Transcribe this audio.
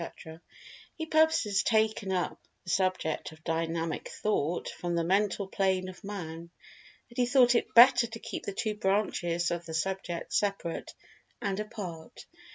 —he purposes taking up the subject of "Dynamic Thought," from the Mental Plane of Man. And he thought it better to keep the two branches of the subject separate and apart.